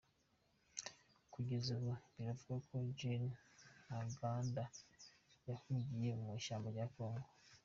Kugeza ubu biravugwa ko Gen Ntaganda yahungiye mu mashyamba ya Congo.